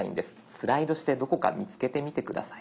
スライドしてどこか見つけてみて下さい。